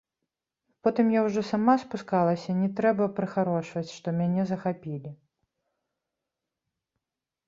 Потым я ўжо сама спускалася, не трэба прыхарошваць, што мяне захапілі.